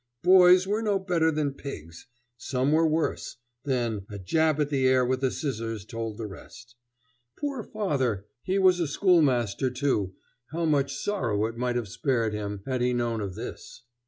Boys were no better than pigs. Some were worse; then a jab at the air with the scissors told the rest. Poor father! He was a schoolmaster, too; how much sorrow it might have spared him had he known of this!